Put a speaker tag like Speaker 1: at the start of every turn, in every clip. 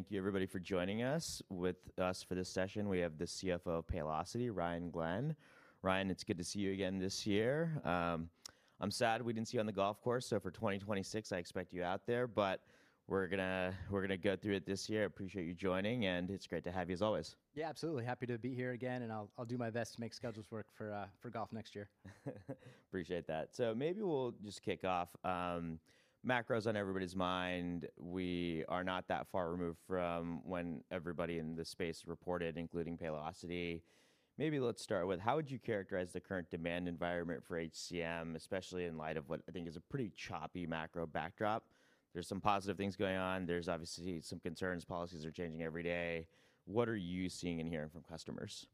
Speaker 1: Thank you, everybody, for joining us for this session. We have the CFO of Paylocity, Ryan Glenn. Ryan, it's good to see you again this year. I'm sad we didn't see you on the golf course, so for 2026, I expect you out there. We are going to go through it this year. I appreciate you joining, and it's great to have you as always.
Speaker 2: Yeah, absolutely. Happy to be here again, and I'll do my best to make schedules work for golf next year. Appreciate that. Maybe we'll just kick off. Macro's on everybody's mind. We are not that far removed from when everybody in the space reported, including Paylocity. Maybe let's start with, how would you characterize the current demand environment for HCM, especially in light of what I think is a pretty choppy macro backdrop? There's some positive things going on. There's obviously some concerns. Policies are changing every day. What are you seeing and hearing from customers?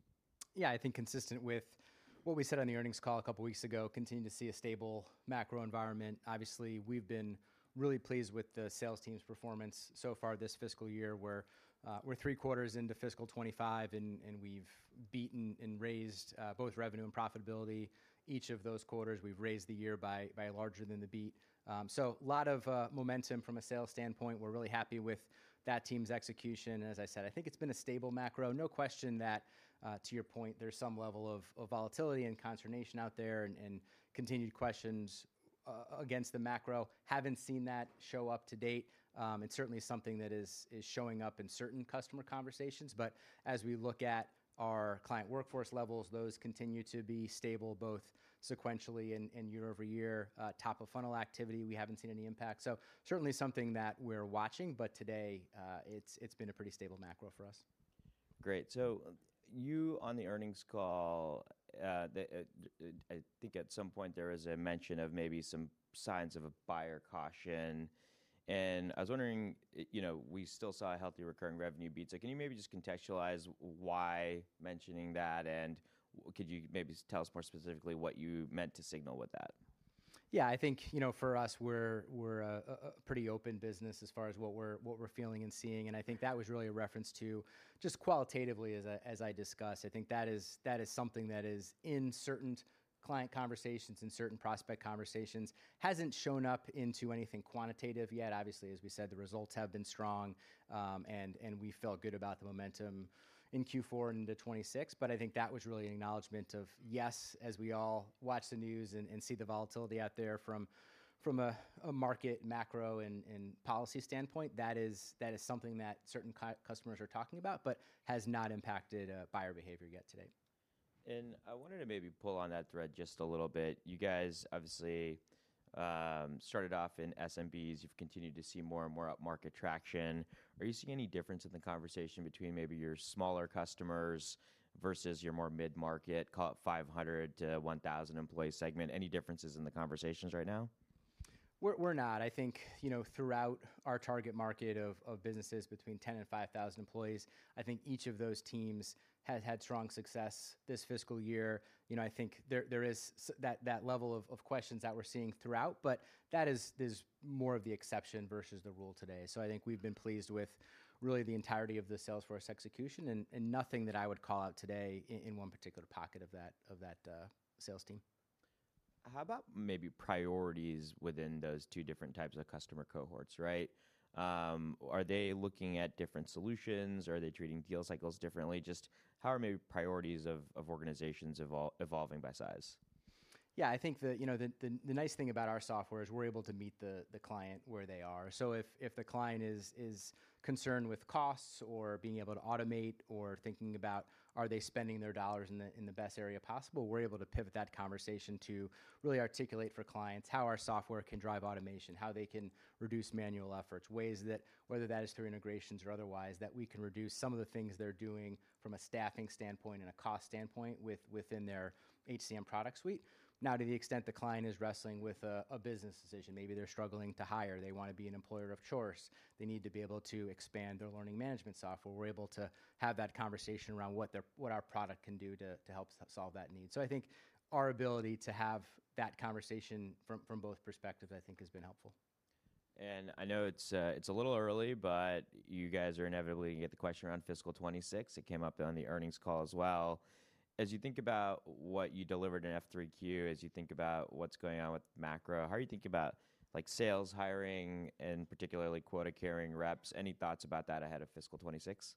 Speaker 2: Yeah, I think consistent with what we said on the earnings call a couple of weeks ago, continue to see a stable macro environment. Obviously, we've been really pleased with the sales team's performance so far this fiscal year. We're three quarters into fiscal 2025, and we've beaten and raised both revenue and profitability. Each of those quarters, we've raised the year by larger than the beat. A lot of momentum from a sales standpoint. We're really happy with that team's execution. As I said, I think it's been a stable macro. No question that, to your point, there's some level of volatility and consternation out there and continued questions against the macro. Haven't seen that show up to date. Certainly something that is showing up in certain customer conversations. As we look at our client workforce levels, those continue to be stable, both sequentially and year-over-year. Top of funnel activity, we haven't seen any impact. Certainly something that we're watching, but today it's been a pretty stable macro for us. Great. You on the earnings call, I think at some point there is a mention of maybe some signs of a buyer caution. I was wondering, we still saw a healthy recurring revenue beat. Can you maybe just contextualize why mentioning that? Could you maybe tell us more specifically what you meant to signal with that? Yeah, I think for us, we're a pretty open business as far as what we're feeling and seeing. I think that was really a reference to just qualitatively, as I discussed, I think that is something that is in certain client conversations, in certain prospect conversations, hasn't shown up into anything quantitative yet. Obviously, as we said, the results have been strong, and we felt good about the momentum in Q4 and into 2026. I think that was really an acknowledgment of, yes, as we all watch the news and see the volatility out there from a market macro and policy standpoint, that is something that certain customers are talking about, but has not impacted buyer behavior yet today. I wanted to maybe pull on that thread just a little bit. You guys obviously started off in SMBs. You've continued to see more and more upmarket traction. Are you seeing any difference in the conversation between maybe your smaller customers versus your more mid-market, call it 500-1,000 employee segment? Any differences in the conversations right now? We're not. I think throughout our target market of businesses between 10,000 and 5,000 employees, I think each of those teams has had strong success this fiscal year. I think there is that level of questions that we're seeing throughout, but that is more of the exception versus the rule today. I think we've been pleased with really the entirety of the sales force execution and nothing that I would call out today in one particular pocket of that sales team. How about maybe priorities within those two different types of customer cohorts, right? Are they looking at different solutions? Are they treating deal cycles differently? Just how are maybe priorities of organizations evolving by size? Yeah, I think the nice thing about our software is we're able to meet the client where they are. If the client is concerned with costs or being able to automate or thinking about, are they spending their dollars in the best area possible, we're able to pivot that conversation to really articulate for clients how our software can drive automation, how they can reduce manual efforts, ways that, whether that is through integrations or otherwise, that we can reduce some of the things they're doing from a staffing standpoint and a cost standpoint within their HCM product suite. Now, to the extent the client is wrestling with a business decision, maybe they're struggling to hire, they want to be an employer of choice, they need to be able to expand their Learning Management software, we're able to have that conversation around what our product can do to help solve that need. I think our ability to have that conversation from both perspectives, I think, has been helpful. I know it's a little early, but you guys are inevitably going to get the question around fiscal 2026. It came up on the earnings call as well. As you think about what you delivered in F3Q, as you think about what's going on with macro, how are you thinking about sales hiring and particularly quota carrying reps? Any thoughts about that ahead of fiscal 2026?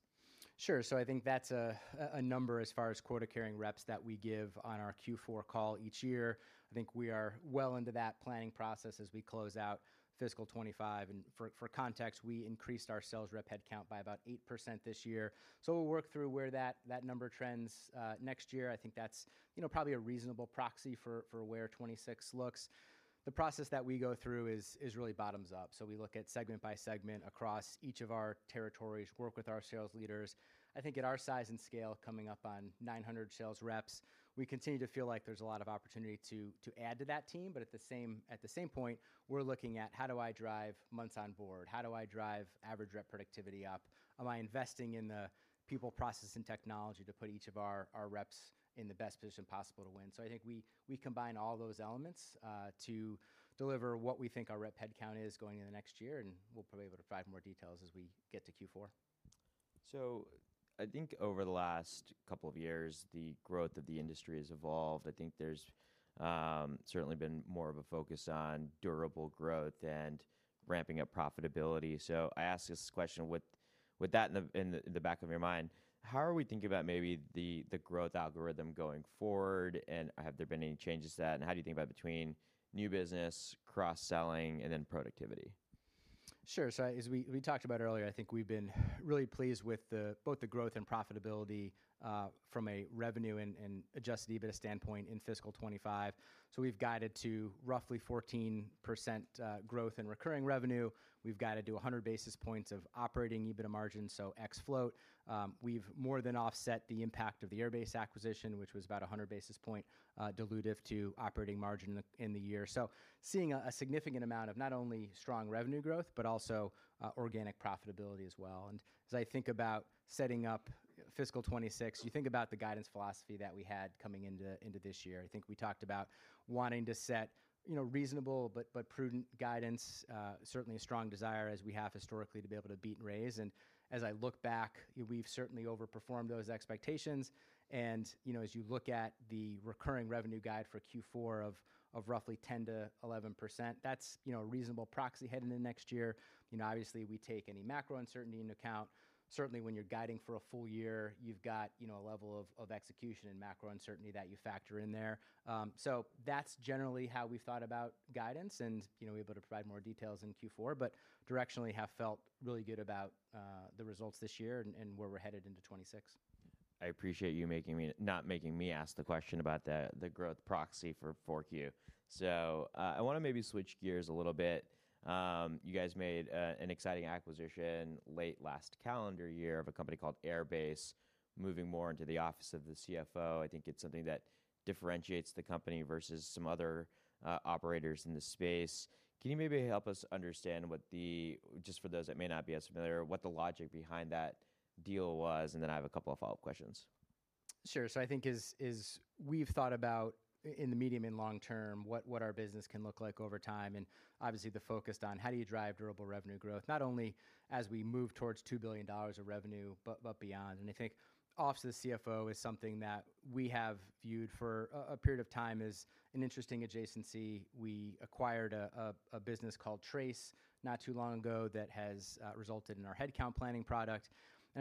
Speaker 2: Sure. I think that's a number as far as quota carrying reps that we give on our Q4 call each year. I think we are well into that planning process as we close out fiscal 2025. For context, we increased our sales rep headcount by about 8% this year. We'll work through where that number trends next year. I think that's probably a reasonable proxy for where 2026 looks. The process that we go through is really bottoms up. We look at segment by segment across each of our territories, work with our sales leaders. I think at our size and scale, coming up on 900 sales reps, we continue to feel like there's a lot of opportunity to add to that team. At the same point, we're looking at how do I drive months on board? How do I drive average rep productivity up? Am I investing in the people, process, and technology to put each of our reps in the best position possible to win? I think we combine all those elements to deliver what we think our rep headcount is going into next year. We'll probably be able to provide more details as we get to Q4. I think over the last couple of years, the growth of the industry has evolved. I think there's certainly been more of a focus on durable growth and ramping up profitability. I ask this question with that in the back of your mind. How are we thinking about maybe the growth algorithm going forward? Have there been any changes to that? How do you think about between new business, cross-selling, and then productivity? Sure. As we talked about earlier, I think we've been really pleased with both the growth and profitability from a revenue and adjusted EBITDA standpoint in fiscal 2025. We've guided to roughly 14% growth in recurring revenue. We've guided to 100 basis points of operating EBITDA margin, ex-float. We've more than offset the impact of the Airbase acquisition, which was about 100 basis points dilutive to operating margin in the year. Seeing a significant amount of not only strong revenue growth, but also organic profitability as well. As I think about setting up fiscal 2026, you think about the guidance philosophy that we had coming into this year. I think we talked about wanting to set reasonable but prudent guidance, certainly a strong desire as we have historically to be able to beat and raise. As I look back, we've certainly overperformed those expectations. As you look at the recurring revenue guide for Q4 of roughly 10%-11%, that's a reasonable proxy heading into next year. Obviously, we take any macro uncertainty into account. Certainly, when you're guiding for a full year, you've got a level of execution and macro uncertainty that you factor in there. That's generally how we've thought about guidance. We'll be able to provide more details in Q4, but directionally have felt really good about the results this year and where we're headed into 2026. I appreciate you not making me ask the question about the growth proxy for Q4. I want to maybe switch gears a little bit. You guys made an exciting acquisition late last calendar year of a company called Airbase, moving more into the office of the CFO. I think it's something that differentiates the company versus some other operators in the space. Can you maybe help us understand what the, just for those that may not be as familiar, what the logic behind that deal was? I have a couple of follow-up questions. Sure. I think we've thought about in the medium and long-term what our business can look like over time. Obviously, the focus on how do you drive durable revenue growth, not only as we move towards $2 billion of revenue, but beyond. I think office of the CFO is something that we have viewed for a period of time as an interesting adjacency. We acquired a business called Trace not too long ago that has resulted in our headcount planning product.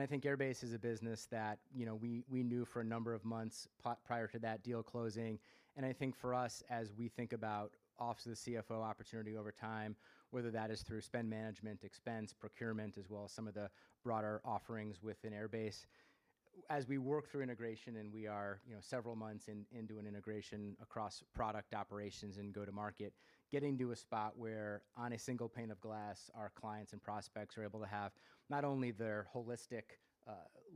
Speaker 2: I think Airbase is a business that we knew for a number of months prior to that deal closing. I think for us, as we think about office of the CFO opportunity over time, whether that is through spend management, expense, procurement, as well as some of the broader offerings within Airbase, as we work through integration and we are several months into an integration across product operations and go-to-market, getting to a spot where on a single pane of glass, our clients and prospects are able to have not only their holistic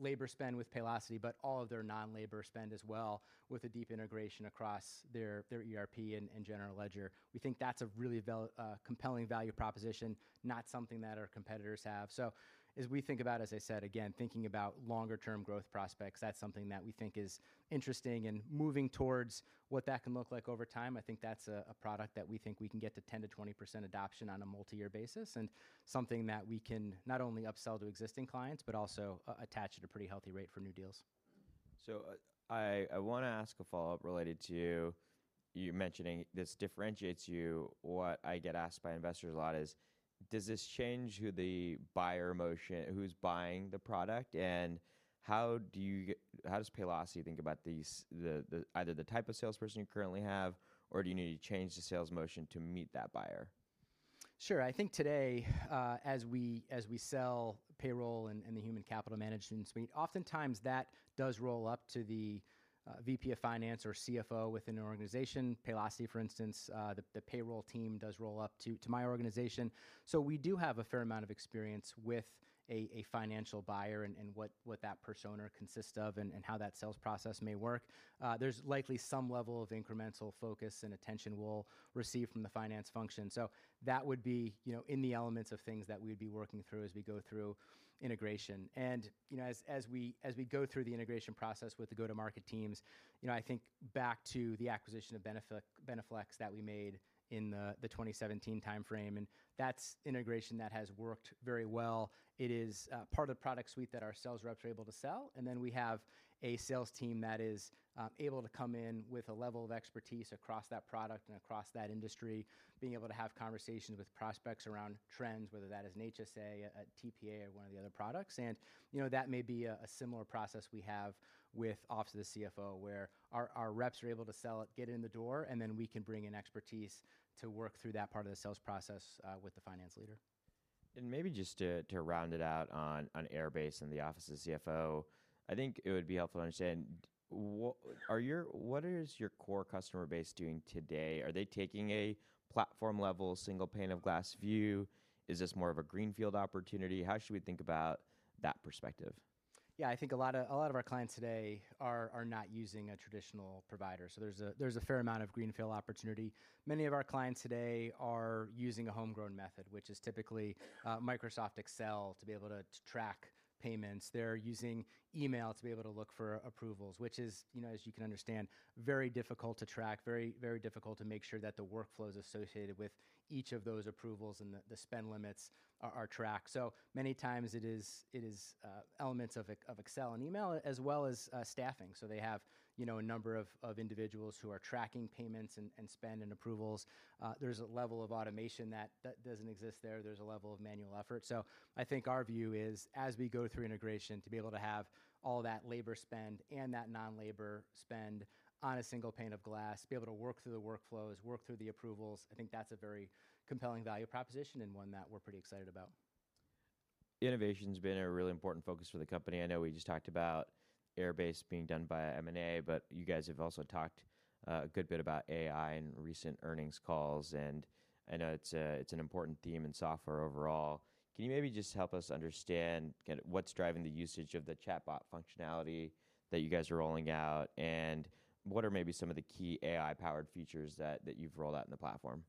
Speaker 2: labor spend with Paylocity, but all of their non-labor spend as well with a deep integration across their ERP and general ledger. We think that's a really compelling value proposition, not something that our competitors have. As we think about, as I said, again, thinking about longer-term growth prospects, that's something that we think is interesting and moving towards what that can look like over time. I think that's a product that we think we can get to 10%-20% adoption on a multi-year basis and something that we can not only upsell to existing clients, but also attach at a pretty healthy rate for new deals. I want to ask a follow-up related to you mentioning this differentiates you. What I get asked by investors a lot is, does this change who the buyer motion, who's buying the product? How does Paylocity think about either the type of salesperson you currently have, or do you need to change the sales motion to meet that buyer? Sure. I think today, as we sell payroll and the human capital management suite, oftentimes that does roll up to the VP of Finance or CFO within an organization. Paylocity, for instance, the payroll team does roll up to my organization. So we do have a fair amount of experience with a financial buyer and what that persona consists of and how that sales process may work. There's likely some level of incremental focus and attention we'll receive from the finance function. That would be in the elements of things that we'd be working through as we go through integration. As we go through the integration process with the go-to-market teams, I think back to the acquisition of BeneFLEX that we made in the 2017 timeframe, and that's integration that has worked very well. It is part of the product suite that our sales reps are able to sell. We have a sales team that is able to come in with a level of expertise across that product and across that industry, being able to have conversations with prospects around trends, whether that is an HSA, a TPA, or one of the other products. That may be a similar process we have with office of the CFO, where our reps are able to sell it, get it in the door, and then we can bring in expertise to work through that part of the sales process with the finance leader. Maybe just to round it out on Airbase and the office of the CFO, I think it would be helpful to understand, what is your core customer base doing today? Are they taking a platform-level single pane of glass view? Is this more of a greenfield opportunity? How should we think about that perspective? Yeah, I think a lot of our clients today are not using a traditional provider. There is a fair amount of greenfield opportunity. Many of our clients today are using a homegrown method, which is typically Microsoft Excel to be able to track payments. They are using email to be able to look for approvals, which is, as you can understand, very difficult to track, very difficult to make sure that the workflows associated with each of those approvals and the spend limits are tracked. Many times it is elements of Excel and email as well as staffing. They have a number of individuals who are tracking payments and spend and approvals. There is a level of automation that does not exist there. There is a level of manual effort. I think our view is, as we go through integration, to be able to have all that labor spend and that non-labor spend on a single pane of glass, be able to work through the workflows, work through the approvals. I think that's a very compelling value proposition and one that we're pretty excited about. Innovation has been a really important focus for the company. I know we just talked about Airbase being done by M&A, but you guys have also talked a good bit about AI in recent earnings calls. I know it's an important theme in software overall. Can you maybe just help us understand what's driving the usage of the chatbot functionality that you guys are rolling out? What are maybe some of the key AI-powered features that you've rolled out in the platform?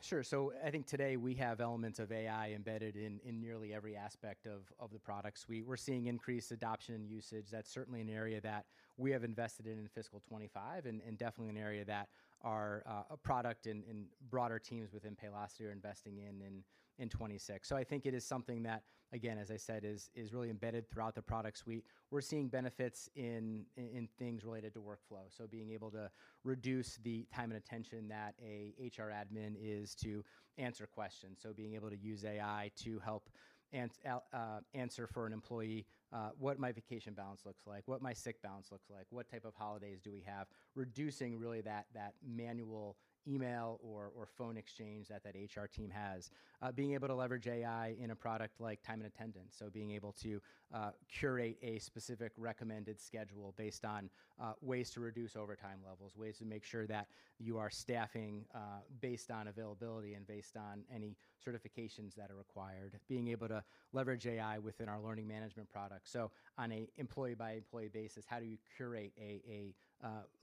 Speaker 2: Sure. I think today we have elements of AI embedded in nearly every aspect of the products. We're seeing increased adoption and usage. That's certainly an area that we have invested in in fiscal 2025 and definitely an area that our product and broader teams within Paylocity are investing in in 2026. I think it is something that, again, as I said, is really embedded throughout the product suite. We're seeing benefits in things related to workflow. Being able to reduce the time and attention that an HR admin is to answer questions. Being able to use AI to help answer for an employee what my vacation balance looks like, what my sick balance looks like, what type of holidays do we have, reducing really that manual email or phone exchange that that HR team has. Being able to leverage AI in a product like Time and Attendance. Being able to curate a specific recommended schedule based on ways to reduce overtime levels, ways to make sure that you are staffing based on availability and based on any certifications that are required. Being able to leverage AI within our Learning Management product. On an employee-by-employee basis, how do you curate a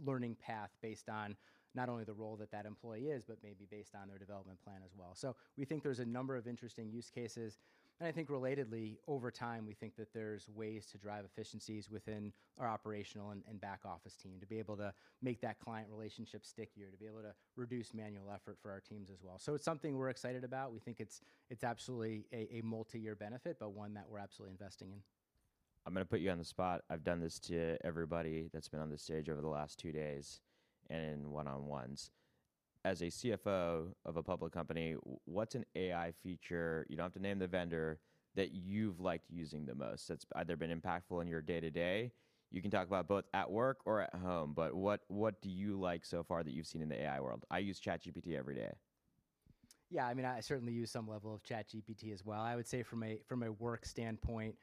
Speaker 2: learning path based on not only the role that that employee is, but maybe based on their development plan as well? We think there are a number of interesting use cases. I think relatedly, over time, we think that there are ways to drive efficiencies within our operational and back office team to be able to make that client relationship stickier, to be able to reduce manual effort for our teams as well. It is something we are excited about. We think it's absolutely a multi-year benefit, but one that we're absolutely investing in. I'm going to put you on the spot. I've done this to everybody that's been on the stage over the last two days and in one-on-ones. As a CFO of a public company, what's an AI feature, you don't have to name the vendor, that you've liked using the most that's either been impactful in your day-to-day? You can talk about both at work or at home, but what do you like so far that you've seen in the AI world? I use ChatGPT every day. Yeah, I mean, I certainly use some level of ChatGPT as well. I would say from a work standpoint,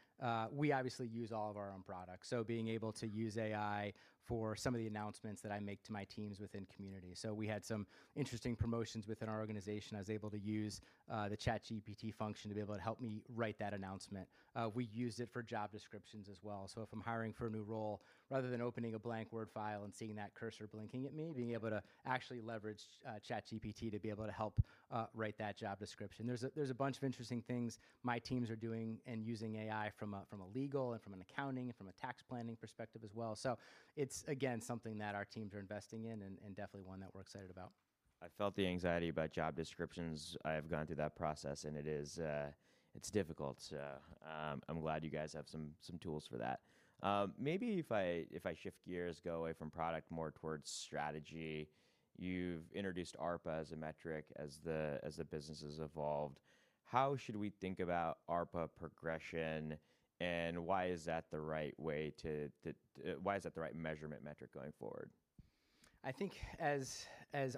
Speaker 2: we obviously use all of our own products. Being able to use AI for some of the announcements that I make to my teams within Community. We had some interesting promotions within our organization. I was able to use the ChatGPT function to be able to help me write that announcement. We used it for job descriptions as well. If I'm hiring for a new role, rather than opening a blank Word file and seeing that cursor blinking at me, being able to actually leverage ChatGPT to be able to help write that job description. There are a bunch of interesting things my teams are doing and using AI from a legal and from an accounting and from a tax planning perspective as well. It's, again, something that our teams are investing in and definitely one that we're excited about. I felt the anxiety about job descriptions. I have gone through that process, and it's difficult. I'm glad you guys have some tools for that. Maybe if I shift gears, go away from product more towards strategy. You've introduced ARPA as a metric as the business has evolved. How should we think about ARPA progression, and why is that the right way to—why is that the right measurement metric going forward? I think as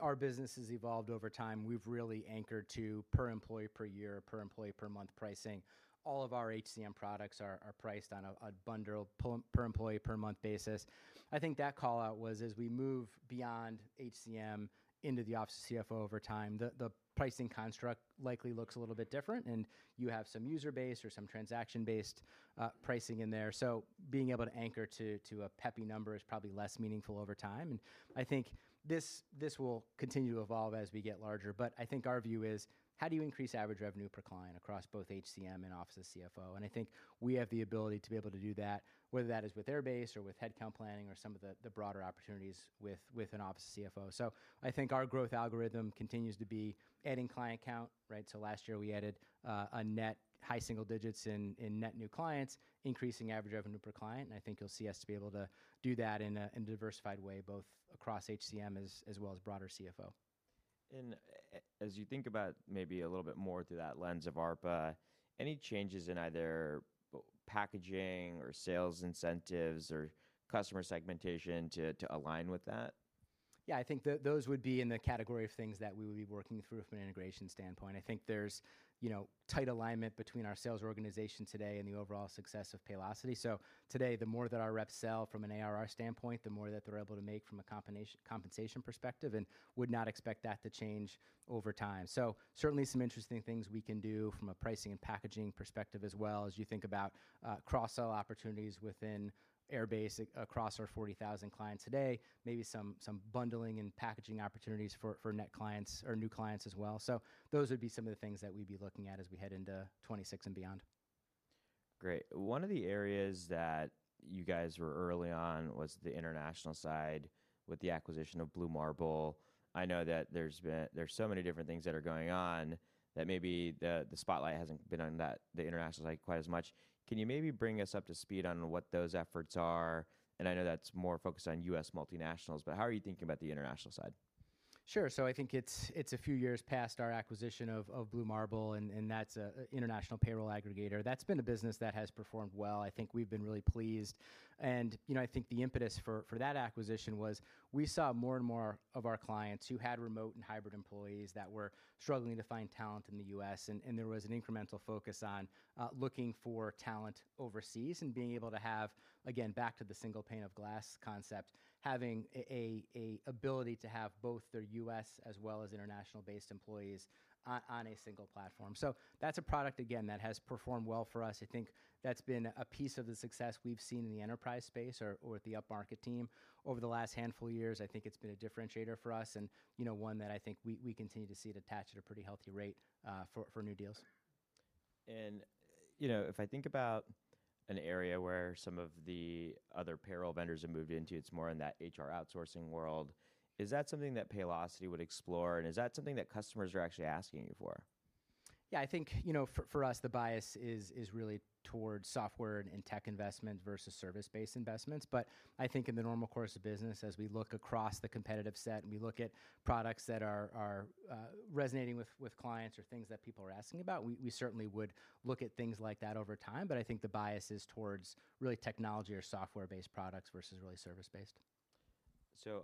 Speaker 2: our business has evolved over time, we've really anchored to per employee per year, per employee per month pricing. All of our HCM products are priced on a bundle per employee per month basis. I think that callout was as we move beyond HCM into the office of CFO over time, the pricing construct likely looks a little bit different, and you have some user-based or some transaction-based pricing in there. Being able to anchor to a PEPM number is probably less meaningful over time. I think this will continue to evolve as we get larger. I think our view is, how do you increase average revenue per client across both HCM and office of CFO? I think we have the ability to be able to do that, whether that is with Airbase or with headcount planning or some of the broader opportunities with an office of CFO. I think our growth algorithm continues to be adding client count, right? Last year we added a net high single-digits in net new clients, increasing average revenue per client. I think you'll see us be able to do that in a diversified way, both across HCM as well as broader CFO. As you think about maybe a little bit more through that lens of ARPA, any changes in either packaging or sales incentives or customer segmentation to align with that? Yeah, I think those would be in the category of things that we would be working through from an integration standpoint. I think there's tight alignment between our sales organization today and the overall success of Paylocity. Today, the more that our reps sell from an ARR standpoint, the more that they're able to make from a compensation perspective and would not expect that to change over time. Certainly some interesting things we can do from a pricing and packaging perspective as well as you think about cross-sell opportunities within Airbase across our 40,000 clients today, maybe some bundling and packaging opportunities for net clients or new clients as well. Those would be some of the things that we'd be looking at as we head into 2026 and beyond. Great. One of the areas that you guys were early on was the international side with the acquisition of Blue Marble. I know that there's so many different things that are going on that maybe the spotlight hasn't been on the international side quite as much. Can you maybe bring us up to speed on what those efforts are? I know that's more focused on U.S. multinationals, but how are you thinking about the international side? Sure. I think it's a few years past our acquisition of Blue Marble, and that's an international payroll aggregator. That's been a business that has performed well. I think we've been really pleased. I think the impetus for that acquisition was we saw more and more of our clients who had remote and hybrid employees that were struggling to find talent in the U.S. There was an incremental focus on looking for talent overseas and being able to have, again, back to the single pane of glass concept, having an ability to have both their U.S. as well as international-based employees on a single platform. That's a product, again, that has performed well for us. I think that's been a piece of the success we've seen in the enterprise space or at the upmarket team over the last handful of years. I think it's been a differentiator for us and one that I think we continue to see it attached at a pretty healthy rate for new deals. If I think about an area where some of the other payroll vendors have moved into, it's more in that HR outsourcing world. Is that something that Paylocity would explore? Is that something that customers are actually asking you for? Yeah, I think for us, the bias is really towards software and tech investments versus service-based investments. I think in the normal course of business, as we look across the competitive set and we look at products that are resonating with clients or things that people are asking about, we certainly would look at things like that over time. I think the bias is towards really technology or software-based products versus really service-based.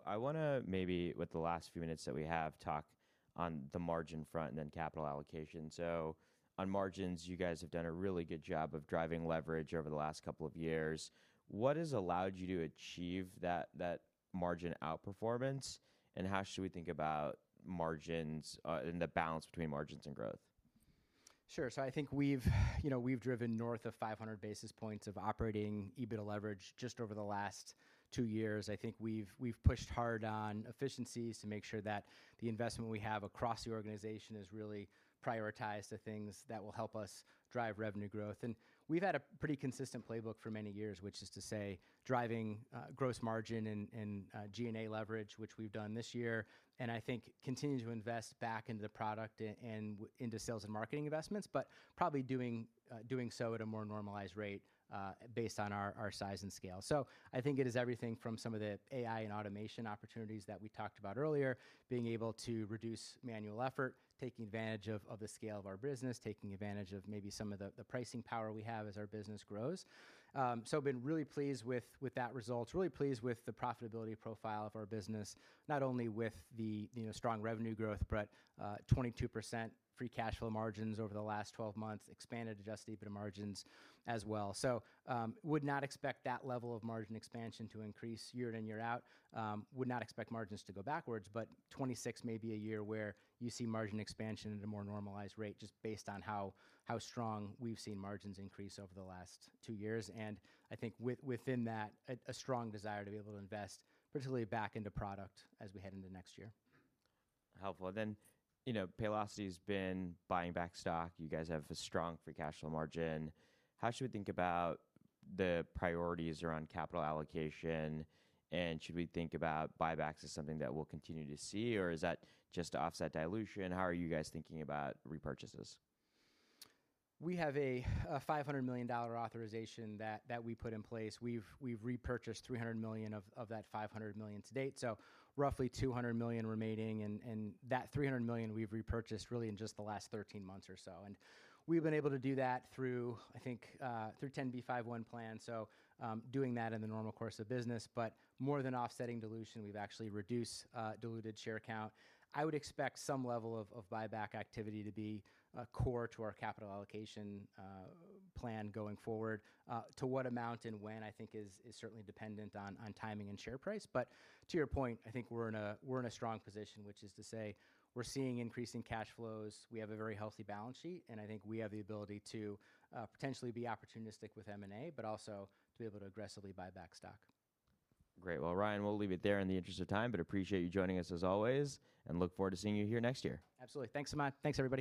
Speaker 2: I want to maybe, with the last few minutes that we have, talk on the margin front and then capital allocation. On margins, you guys have done a really good job of driving leverage over the last couple of years. What has allowed you to achieve that margin outperformance? How should we think about margins and the balance between margins and growth? Sure. I think we've driven north of 500 basis points of operating EBITDA leverage just over the last two years. I think we've pushed hard on efficiencies to make sure that the investment we have across the organization is really prioritized to things that will help us drive revenue growth. We've had a pretty consistent playbook for many years, which is to say driving gross margin and G&A leverage, which we've done this year, and I think continue to invest back into the product and into sales and marketing investments, but probably doing so at a more normalized rate based on our size and scale. I think it is everything from some of the AI and automation opportunities that we talked about earlier, being able to reduce manual effort, taking advantage of the scale of our business, taking advantage of maybe some of the pricing power we have as our business grows. I've been really pleased with that result, really pleased with the profitability profile of our business, not only with the strong revenue growth, but 22% free cash flow margins over the last 12 months, expanded adjusted EBITDA margins as well. I would not expect that level of margin expansion to increase year in and year out. I would not expect margins to go backwards, but 2026 may be a year where you see margin expansion at a more normalized rate just based on how strong we've seen margins increase over the last two years. I think within that, a strong desire to be able to invest, particularly back into product as we head into next year. Helpful. Paylocity has been buying back stock. You guys have a strong free cash flow margin. How should we think about the priorities around capital allocation? Should we think about buybacks as something that we'll continue to see, or is that just to offset dilution? How are you guys thinking about repurchases? We have a $500 million authorization that we put in place. We've repurchased $300 million of that $500 million to date. So roughly $200 million remaining. And that $300 million we've repurchased really in just the last 13 months or so. We've been able to do that through, I think, through 10b51 plan. Doing that in the normal course of business. More than offsetting dilution, we've actually reduced diluted share count. I would expect some level of buyback activity to be core to our capital allocation plan going forward. To what amount and when, I think, is certainly dependent on timing and share price. To your point, I think we're in a strong position, which is to say we're seeing increasing cash flows. We have a very healthy balance sheet. I think we have the ability to potentially be opportunistic with M&A, but also to be able to aggressively buy back stock. Great. Ryan, we'll leave it there in the interest of time, but appreciate you joining us as always, and look forward to seeing you here next year. Absolutely. Thanks so much. Thanks everybody.